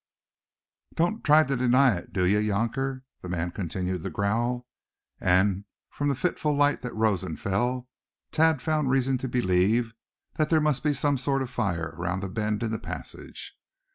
"Don't try to deny it, do ye, younker?" the man continued to growl; and from the fitful light that rose and fell Thad found reason to believe that there must be some sort of fire around the bend in the passage.